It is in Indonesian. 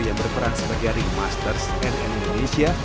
yang berperan sebagai remaster cnn indonesia